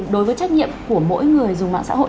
đối với trách nhiệm của mỗi người dùng mạng xã hội